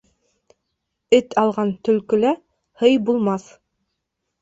Эт алған төлкөлә һый булмаҫ.